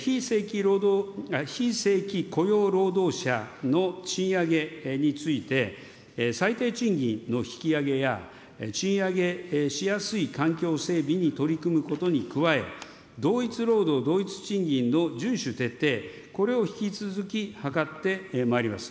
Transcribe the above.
非正規雇用労働者の賃上げについて、最低賃金の引き上げや、賃上げしやすい環境整備に取り組むことに加え、同一労働同一賃金の順守徹底、これを引き続き図ってまいります。